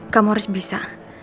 kamu harus bisa